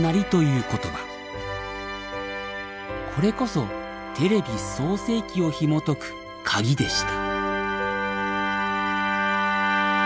これこそテレビ創成期をひもとく鍵でした。